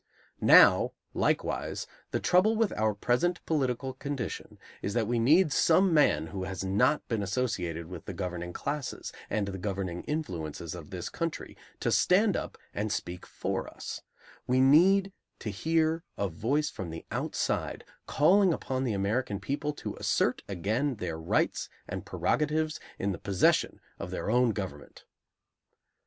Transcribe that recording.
Now, likewise, the trouble with our present political condition is that we need some man who has not been associated with the governing classes and the governing influences of this country to stand up and speak for us; we need to hear a voice from the outside calling upon the American people to assert again their rights and prerogatives in the possession of their own government.